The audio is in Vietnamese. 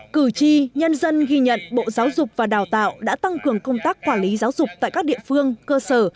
cử tri nhân dân ghi nhận bộ giáo dục và đào tạo đã tăng cường công tác quản lý giáo dục tại các địa phương cơ sở